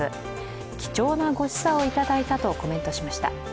貴重なご示唆をいただいたとコメントしました。